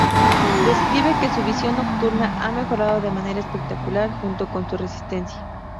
Describe que su visión nocturna, ha mejorado de manera espectacular, junto con su resistencia.